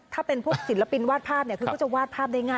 ถ้าเป็นพวกศิลปินวาดภาพเนี่ยคือก็จะวาดภาพได้ง่าย